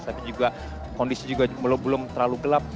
tapi juga kondisi juga belum terlalu gelap